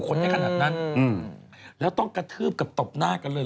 ได้ขนาดนั้นอืมแล้วต้องกระทืบกับตบหน้ากันเลย